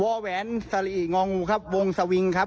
แหวนสลิงองูครับวงสวิงครับ